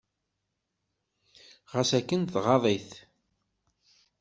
Ɣas akken, tɣaḍ-it.